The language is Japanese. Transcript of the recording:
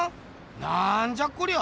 なんじゃこりゃ。